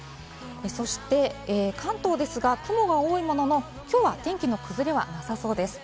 そして関東ですが、雲が多いものの、今日は天気の崩れはなさそうです。